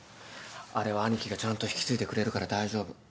あれは兄貴がちゃんと引き継いでくれるから大丈夫。